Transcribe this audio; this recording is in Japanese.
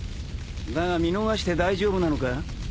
だが見逃して大丈夫なのか？